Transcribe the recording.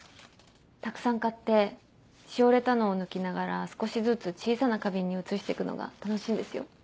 たくさん買ってしおれたのを抜きながら少しずつ小さな花瓶に移してくのが楽しいんですよ。